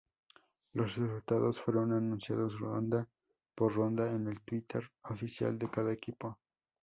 Los resultados fueron anunciados Ronda por Ronda en el Twitter oficial de cada equipo.